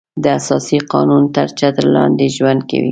د اساسي قانون تر چتر لاندې ژوند کوي.